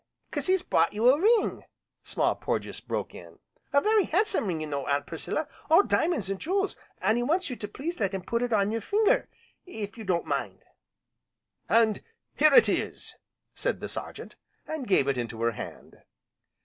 "'Cause he's brought you a ring," Small Porges broke in, "a very handsome ring, you know, Aunt Priscilla, all diamonds an' jewels, an' he wants you to please let him put it on your finger if you don't mind." "And here it is!" said the Sergeant, and gave it into her hand.